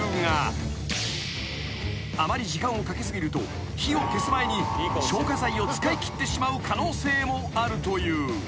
［あまり時間をかけ過ぎると火を消す前に消火剤を使いきってしまう可能性もあるという］